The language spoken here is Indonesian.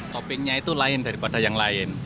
toppingnya itu lain daripada yang lain